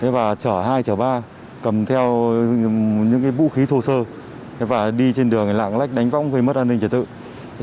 và chở hai chở ba cầm theo những vũ khí thô sơ và đi trên đường lạng lách đánh võng gây mất an ninh trật tự